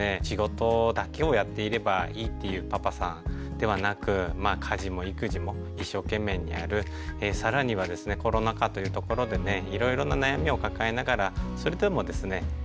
仕事だけをやっていればいいっていうパパさんではなく家事も育児も一生懸命にやる更にはですねコロナ禍というところでねいろいろな悩みを抱えながらそれでもですね